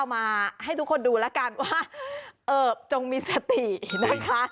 มาให้ทุกคนดูแล้วกันว่าเอิบจงมีสตินะคะ